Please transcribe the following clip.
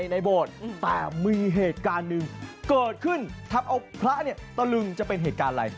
ในโบสถ์แต่มีเหตุการณ์หนึ่งเกิดขึ้นทัพอบพระตะลึงจะเป็นอะไร